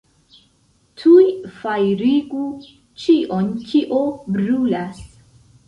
Tuj fajrigu ĉion, kio brulas!